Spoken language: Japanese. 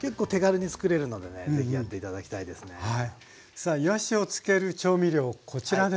さあいわしをつける調味料こちらですね。